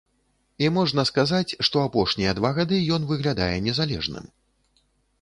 І можна сказаць, што апошнія два гады ён выглядае незалежным.